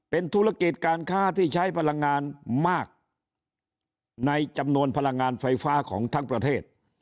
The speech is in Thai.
เป็นธุรกิจการค้าที่ใช้พลังงานมากในจำนวนพลังงานไฟฟ้าของทั้งประเทศ